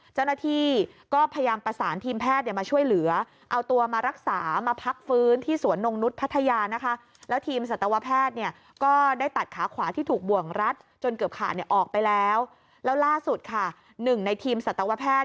เจ้าหน้าที่ก็พยายามประสานทีมแพทย์มาช่วยเหลือ